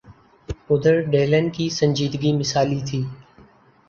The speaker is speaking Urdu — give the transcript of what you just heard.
ادھر ڈیلن کی سنجیدگی مثالی تھی۔